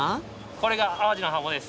これが淡路のハモです。